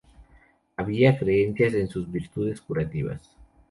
Había creencias en sus virtudes curativas.